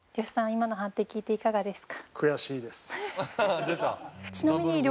今の判定聞いていかがですか？